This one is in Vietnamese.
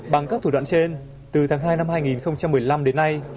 bằng các thủ đoạn trên từ tháng hai năm hai nghìn một mươi năm đến nay